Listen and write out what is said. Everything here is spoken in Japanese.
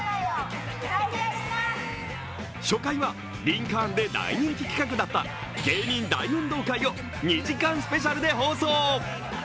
初回は「リンカーン」で大人気企画だった芸人大運動会を２時間スペシャルで放送。